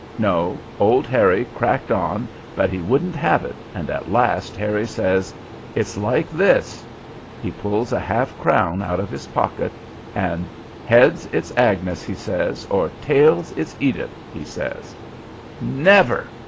No, old Harry cracked on, but he wouldn't have it, and at last Harry says: 'It's like this.' He pulls a half crown out of his pocket and 'Heads it's Agnes,' he says, 'or tails it's Edith,' he says." "Never!